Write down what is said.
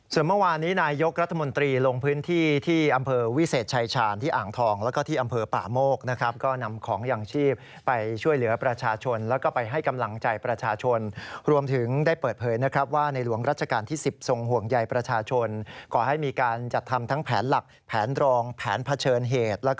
ส่วนเมื่อวานนี้นายยกรัฐมนตรีลงพื้นที่ที่อำเภอวิเศษชายชาญที่อ่างทองแล้วก็ที่อำเภอป่าโมกนะครับก็นำของอย่างชีพไปช่วยเหลือประชาชนแล้วก็ไปให้กำลังใจประชาชนรวมถึงได้เปิดเผยนะครับว่าในหลวงรัชกาลที่๑๐ทรงห่วงใยประชาชนก่อให้มีการจัดทำทั้งแผนหลักแผนรองแผนเผชิญเหตุ